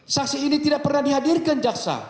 saksi ini tidak pernah dihadirkan jaksa